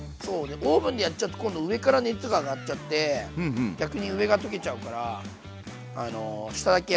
でオーブンでやっちゃうと今度上から熱が上がっちゃって逆に上が溶けちゃうから下だけ焼くのがいいと思う。